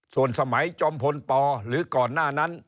ส่วนสมัยจอมพลปหรือก่อนหน้านั้น